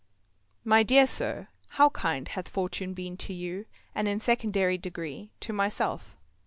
MY DEAR SIR,—How kind hath Fortune been to you, and, in a secondary degree, to myself.